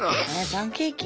パンケーキ？